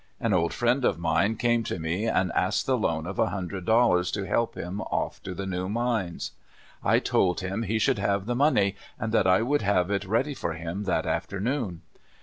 An old friend of mine came to me and asked the loan of a hundred dollars to help him off to the new mines. I told him he should have the money, and that I would have it ready for him that afternoon.